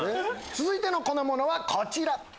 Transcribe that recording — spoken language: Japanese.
続いての粉ものはこちら！